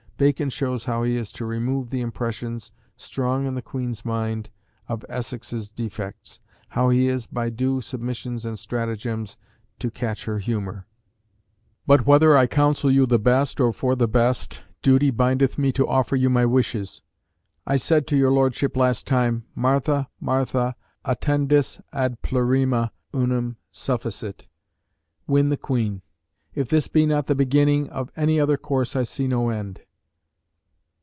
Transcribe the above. Bacon shows how he is to remove the impressions, strong in the Queen's mind, of Essex's defects; how he is, by due submissions and stratagems, to catch her humour "But whether I counsel you the best, or for the best, duty bindeth me to offer to you my wishes. I said to your Lordship last time, Martha, Martha, attendis ad plurima, unum sufficit; win the Queen: if this be not the beginning, of any other course I see no end."